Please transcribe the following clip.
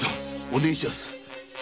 お願いします。